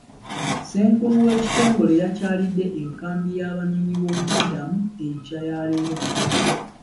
Ssenkulu w'ekitongole yakyalidde enkambi y'Abanoonyi boobubudamu enkya ya leero.